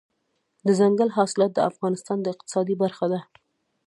دځنګل حاصلات د افغانستان د اقتصاد برخه ده.